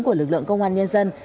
của lực lượng công an nhân dân